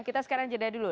kita sekarang jeda dulu